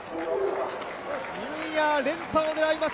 ニューイヤー連覇を狙います